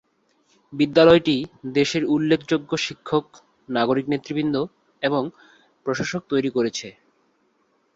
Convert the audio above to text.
বিদ্যালয়টি দেশের উল্লেখযোগ্য শিক্ষক, নাগরিক নেতৃবৃন্দ এবং প্রশাসক তৈরি করেছে।